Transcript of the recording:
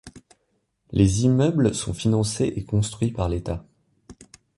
Les immeubles sont financés et construits par l’État.